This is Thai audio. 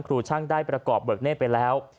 ครูช่างได้ประกอบเบิกเนธไปแล้ว